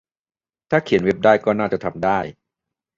ถ้าเขียนเว็บได้ก็น่าจะทำได้